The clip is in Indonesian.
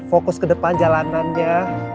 fokus ke depan jalanannya